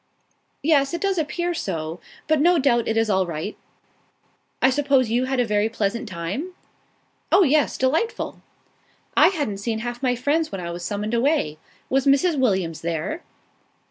"Yes, it does appear so, but no doubt it is all right. I suppose you had a very pleasant time?" "Oh, yes. Delightful!" "I hadn't seen half my friends when I was summoned away. Was Mrs. Williams there?"